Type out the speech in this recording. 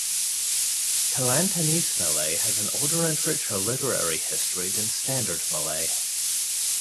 Kelantanese Malay has an older and a richer literary history than standard Malay.